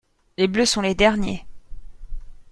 Les bleus sont les derniers.